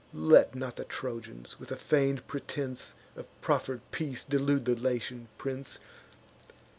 Let not the Trojans, with a feign'd pretence Of proffer'd peace, delude the Latian prince.